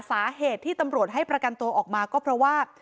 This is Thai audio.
สาเหตุที่ตำรวจให้ประกันตัวออกมาก็เพราะว่า